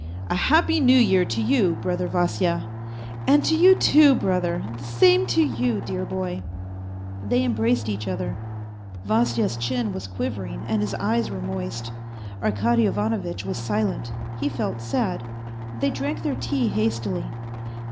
" A happy New Year to you, brother Vasya." " And to you too, brother, the same to you, dear boy." They embraced each other. Vasya's chin was quivering and his eyes were moist. Arkady Ivanovitch was silent, he felt sad. They drank their tea hastily.